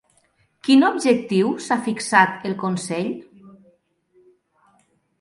Quin objectiu s'ha fixat el Consell?